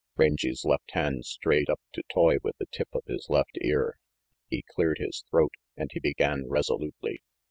Rangy's left hand strayed up to toy with the tip of his left ear. He cleared his throat, and he began resolutely.